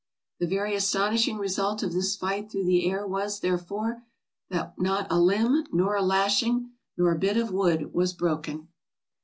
The very astonishing result of this flight through the air was, therefore, that not a limb, nor a lashing, nor bit of wood was broken."